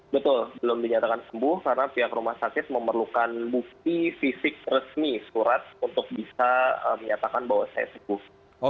betul belum dinyatakan sembuh karena pihak rumah sakit memerlukan bukti fisik resmi surat untuk bisa menyatakan bahwa saya sembuh